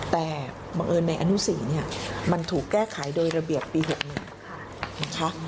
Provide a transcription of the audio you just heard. แต่บังเอิญในอนุ๔เนี่ยมันถูกแก้ไขโดยระเบียบปี๖๑นะคะ